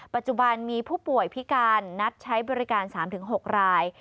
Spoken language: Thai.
ปัจจุบันมีผู้ป่วยพิการนัดใช้บริการ๓๖ราย